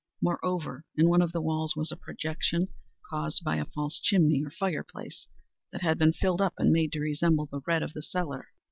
Moreover, in one of the walls was a projection, caused by a false chimney, or fireplace, that had been filled up, and made to resemble the red of the cellar.